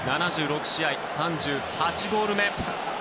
７６試合３８ゴール目。